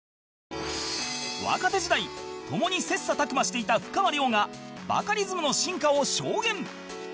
若手時代共に切磋琢磨していたふかわりょうがバカリズムの進化を証言